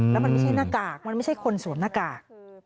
แล้วมันไม่ใช่หน้ากากมันไม่ใช่คนสวมหน้ากาก